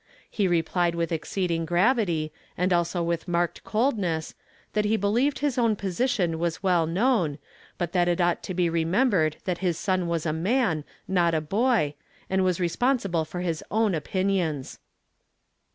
He replied with exceeding gravity, and also with marked coldness, that he believed his own position was well known, but that it ought to be remembered that his son was a man, not a bo , mi was responsible for his own opinions.